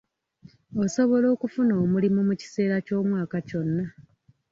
Osobola okufuna omulimu mu kiseera ky'omwaka kyonna